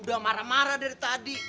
udah marah marah dari tadi